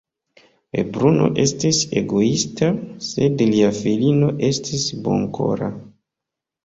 Lebruno estis egoista, sed lia filino estis bonkora.